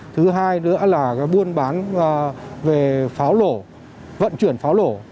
thứ hai nữa là buôn bán về pháo lổ vận chuyển pháo lổ